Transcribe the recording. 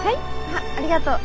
あっありがとう。